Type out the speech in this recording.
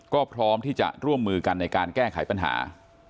ก็พร้อมที่จะร่วมมือกันในการแก้ไขปัญหา